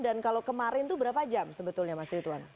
dan kalau kemarin tuh berapa jam sebetulnya mas rituan